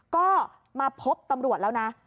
ก็มาพบตำรวจแล้วนะ